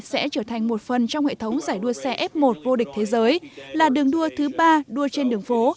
sẽ trở thành một phần trong hệ thống giải đua xe f một vô địch thế giới là đường đua thứ ba đua trên đường phố